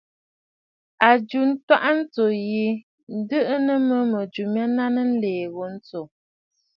A jɨ ntwaʼa ntsǔ yi, ǹdɨʼɨ nɨ mə mɨ̀jɨ mya naŋsə nlìì ghu ntsù.